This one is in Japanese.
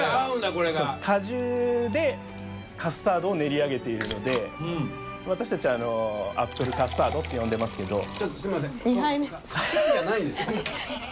これが果汁でカスタードを練り上げているので私達アップルカスタードって呼んでますけどちょっとすいません「カシュッ」じゃないんですよ